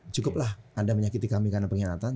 cukuplah anda menyakiti kami karena pengkhianatan